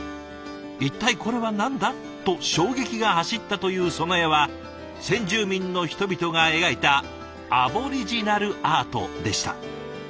「一体これは何だ？」と衝撃が走ったというその絵は先住民の人々が描いたアボリジナルアートでした。